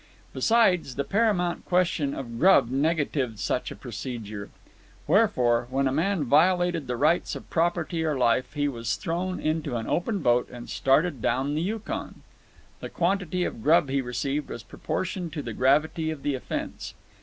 Besides, the paramount question of grub negatived such a procedure. Wherefore, when a man violated the rights of property or life, he was thrown into an open boat and started down the Yukon. The quantity of grub he received was proportioned to the gravity of the offence.